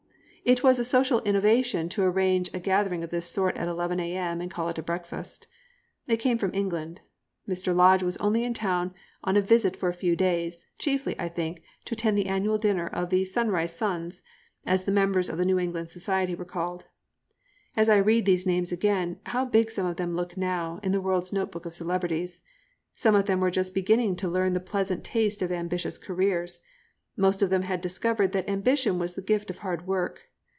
It was a social innovation then to arrange a gathering of this sort at 11 a.m. and call it a breakfast. It came from England. Mr. Lodge was only in town on a visit for a few days, chiefly, I think, to attend the annual dinner of the "Sunrise Sons," as the members of the New England society were called. As I read these names again, how big some of them look now, in the world's note book of celebrities. Some of them were just beginning to learn the pleasant taste of ambitious careers. Most of them had discovered that ambition was the gift of hard work.